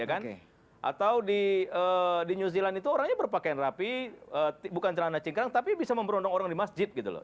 atau di new zealand itu orangnya berpakaian rapi bukan celana cingkrang tapi bisa memberondong orang di masjid gitu loh